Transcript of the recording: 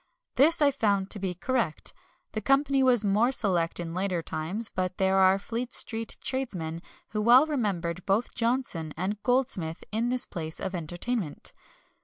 This I found to be correct. The company was more select than in later times, but there are Fleet Street tradesmen who well remembered both Johnson and Goldsmith in this place of entertainment."